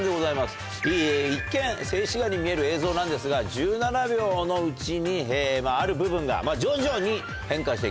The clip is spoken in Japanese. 一見静止画に見える映像なんですが１７秒のうちにある部分が徐々に変化して行きます。